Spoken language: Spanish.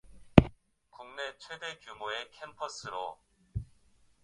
A su vez, es el campus más grande del país.